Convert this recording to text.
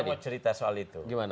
mau cerita soal itu